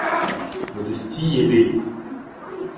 N'o deus ti ebet